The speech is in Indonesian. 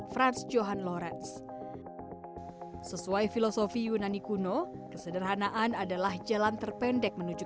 frans johan lorence sesuai filosofi yunani kuno kesederhanaan adalah jalan terpendek menuju